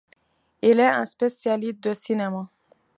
Il est un spécialiste de cinéma.